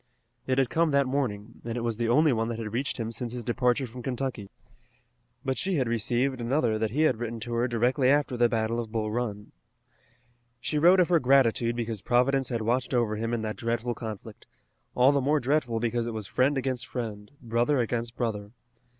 It had come that morning, and it was the only one that had reached him since his departure from Kentucky. But she had received another that he had written to her directly after the Battle of Bull Run. She wrote of her gratitude because Providence had watched over him in that dreadful conflict, all the more dreadful because it was friend against friend, brother against brother.